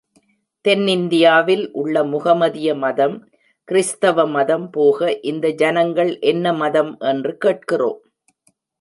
தென்னிந்தியாவில் உள்ள முகமதிய மதம், கிறிஸ்தவ மதம் போக இந்த ஜனங்கள் என்ன மதம் என்று கேட்கிறோம்.